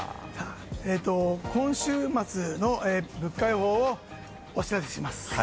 今週末の物価予報をお知らせします。